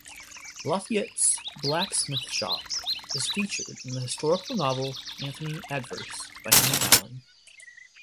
Lafitte's Blacksmith Shop is featured in the historical novel "Anthony Adverse" by Hervey Allen.